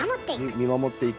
守っていく！